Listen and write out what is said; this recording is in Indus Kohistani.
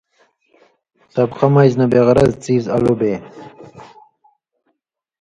سبقہ مژ نہ بے غرض څیز الُو بے،